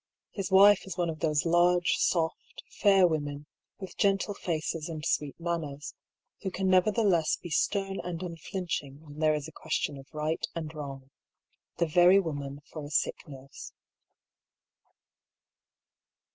His wife is one of those large, soft, fair women with gentle faces and sweet manners, who can nevertheless be stem and unflinching when there is a question of right and wrong — the very woman for a sick nurse.